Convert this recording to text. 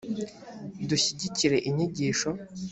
dushyigikire inyigisho